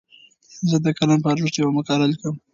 زه د قلم په ارزښت یوه مقاله لیکم.